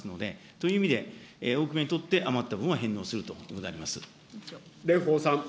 という意味で、大きめに取って、余った分は返納するということで蓮舫さん。